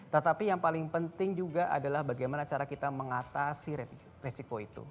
tetapi yang paling penting juga adalah bagaimana cara kita mengatasi resiko itu